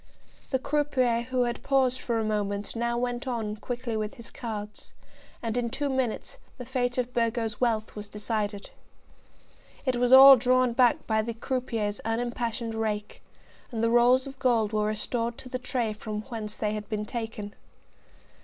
The croupier who had paused for a moment now went on quickly with his cards, and in two minutes the fate of Burgo's wealth was decided. It was all drawn back by the croupier's unimpassioned rake, and the rolls of gold were restored to the tray from whence they had been taken.